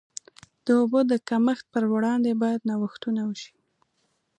د اوبو د کمښت پر وړاندې باید نوښتونه وشي.